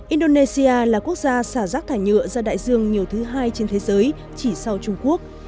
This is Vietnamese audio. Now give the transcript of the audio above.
indonesia là quốc gia xả rác thải nhựa ra đại dương nhiều thứ hai trên thế giới chỉ sau trung quốc